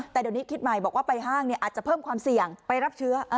แต่เดี๋ยวนี้คิดใหม่บอกว่าไปห้างอาจจะเพิ่มความเสี่ยงไปรับเชื้อ